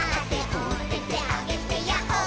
「おててあげてヤッホー」